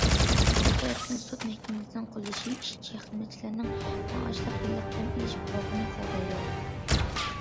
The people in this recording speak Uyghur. بىر تەرەپتىن،« سوت مەھكىمىسىنىڭ قوللىشى» ئىشچى- خىزمەتچىلەرنىڭ مائاشلىق يىللىق دەم ئېلىش ھوقۇقىنى قوغدايدۇ.